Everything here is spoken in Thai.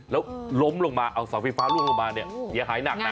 แล้วล้มลงมาเอาเสาไฟฟ้าล่วงลงมาเนี่ยเสียหายหนักนะ